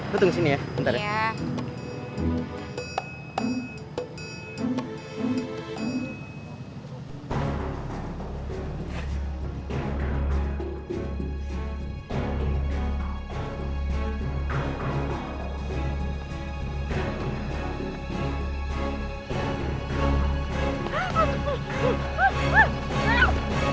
lo tunggu di sini ya bentar ya